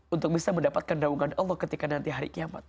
untuk bisa mendapatkan daungan allah ketika nanti hari kiamat